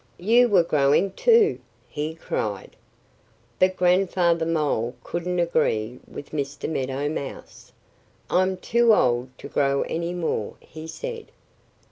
"You were growing too!" he cried. But Grandfather Mole couldn't agree with Mr. Meadow Mouse. "I'm too old to grow any more," he said.